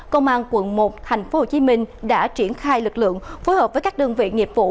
công an quận một thành phố hồ chí minh đã triển khai lực lượng phối hợp với các đơn vị nghiệp vụ